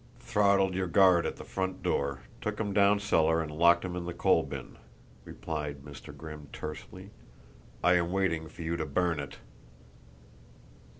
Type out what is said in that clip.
"Throttled your guard at the front door, took him down cellar and locked him in the coal bin," replied Mr. Grimm tersely. "I am waiting for you to burn it."